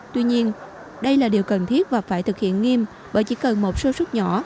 tuy nhiên đây là điều cần thiết và phải thực hiện nghiêm bởi chỉ cần một số suất nhỏ